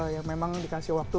yang memang dikasih waktu